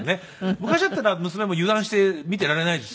昔だったら娘も油断して見ていられないですよね。